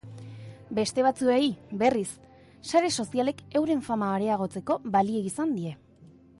Beste batzuei, berriz, sare sozialek euren fama areagotzeko balio izan die.